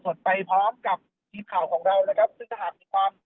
สดไปพร้อมกับทีมข่าวของเรานะครับซึ่งถ้าหากมีความ